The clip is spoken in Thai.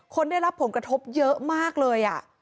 ได้รับผลกระทบเยอะมากเลย